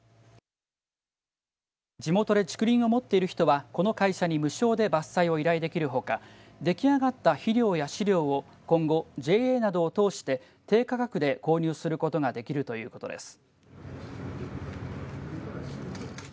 地元で竹林を持っている人はこの会社に無償で伐採を依頼できるほか出来上がった肥料や飼料を今後、ＪＡなどを通して低価格で購入することができるということです。